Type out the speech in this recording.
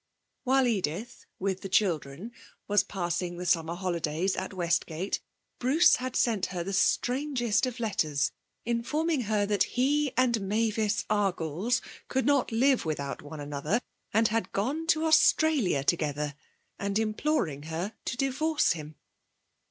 While Edith, with the children, was passing the summer holidays at Westgate, Bruce had sent her the strangest of letters, informing her that he and Mavis Argles could not live without one another, and had gone to Australia together, and imploring her to divorce him.